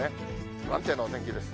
不安定なお天気です。